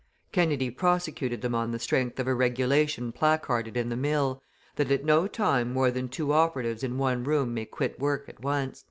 Kennedy prosecuted them on the strength of a regulation placarded in the mill, that at no time more than two operatives in one room may quit work at once.